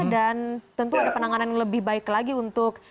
dan tentu ada penanganan yang lebih baik lagi untuk